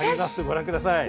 ご覧ください。